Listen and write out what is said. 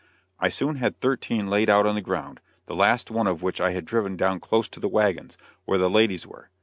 I soon had thirteen laid out on the ground, the last one of which I had driven down close to the wagons, where the ladies were.